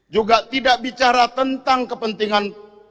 juga tidak bicara tentang kepentingan